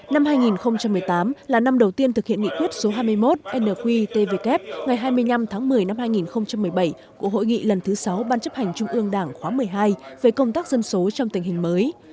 năm hai nghìn một mươi tám là năm đầu tiên thực hiện nghị quyết số hai mươi một nqtvk ngày hai mươi năm tháng một mươi năm hai nghìn một mươi bảy của hội nghị lần thứ sáu ban chấp hành trung ương đảng khóa một mươi hai về công tác dân số trong tình hình mới